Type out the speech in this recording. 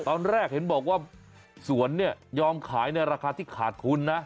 ตอนแรกเห็นบอกว่าสวนเนี่ยยอมขายในราคาที่ขาดทุนนะ